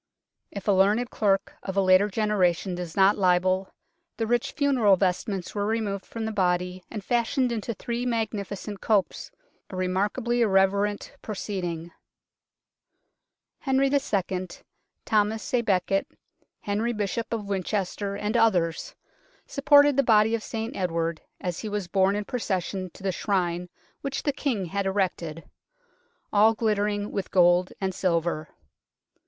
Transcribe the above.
If a learned clerk of a later generation does not libel, the rich funeral vestments were removed from the body and fashioned into three magnificent copes a remark ably irreverent proceeding. Henry II., Thomas a Becket, Henry Bishop of Winchester and others supported the body of St Edward as he was borne in procession to the Shrine which the King had erected, " all glitter ing with gold and silver."